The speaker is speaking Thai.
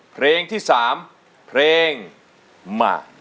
เพลงที่๓เพลงมา